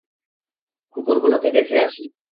কুকুরগুলোকে দেখে আসি।